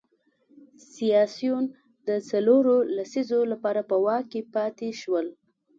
سیاسیون د څلورو لسیزو لپاره په واک کې پاتې شول.